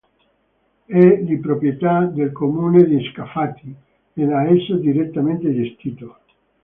È di proprietà del Comune di Scafati e da esso direttamente gestito.